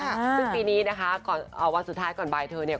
ซึ่งปีนี้นะคะก่อนวันสุดท้ายก่อนบ่ายเธอเนี่ย